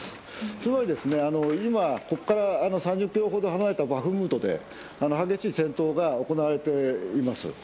つまり、今ここから３０ｋｍ離れたバフムトで激しい戦闘が行われています。